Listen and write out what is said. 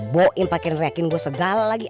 bu im pake rekin gue segala lagi